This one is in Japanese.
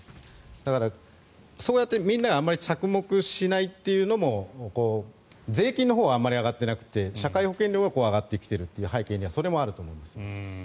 だからそうやってみんながあまり着目しないというのも税金のほうはあまり上がってなくて社会保険料が上がってきているというのはそれもあると思います。